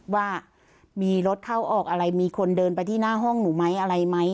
ว่ามีรถเข้าออกอะไรมีคนเดินไปที่หน้าห้องหนูไหมอะไรไหม